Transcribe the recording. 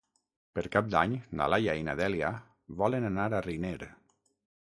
Per Cap d'Any na Laia i na Dèlia volen anar a Riner.